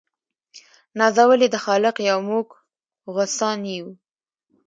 نازولي د خالق یو موږ غوثان یو